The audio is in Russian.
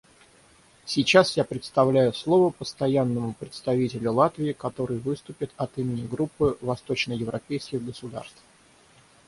Сейчас я предоставляю слово Постоянному представителю Латвии, который выступит от имени Группы восточноевропейских государств.